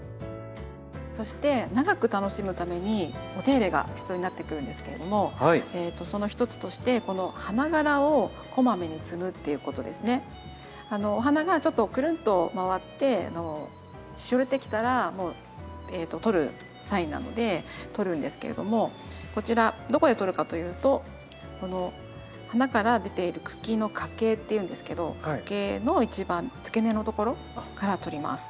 そして長く楽しむためにお手入れが必要になってくるんですけれどもその一つとしてお花がちょっとくるんと回ってしおれてきたらもう取るサインなので取るんですけれどもこちらどこで取るかというとこの花から出ている茎の花茎っていうんですけど花茎の一番つけ根のところから取ります。